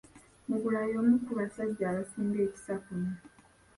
Mugula y'omu ku basajja abasinga ekisa kuno.